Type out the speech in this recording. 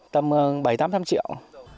tầm bảy tám trăm triệu